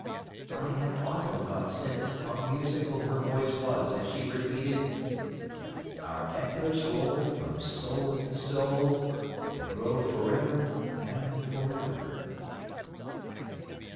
I have often thought since how musical her voice was as she repeated Our echoes roll from soul to soul, And grow forever and forever.